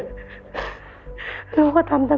แล้วลูกก็จะอยู่ด้วยแม่